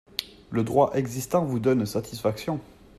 Le droit existant vous donne satisfaction.